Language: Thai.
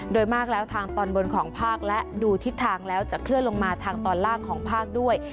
โดยมากแล้วทางตอนบนของภาคและดูทิศทางแล้วจะเคลื่อนลงมาทางตอนล่างของภาคด้วย